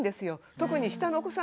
特に下のお子さん